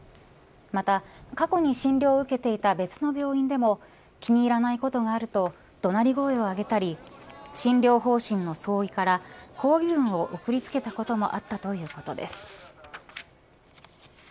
また、過去に診療を受けていた別の病院でも気に入らないことがあると怒鳴り声を上げたり診療方針の相違から抗議文を送りつけたこともあったということです。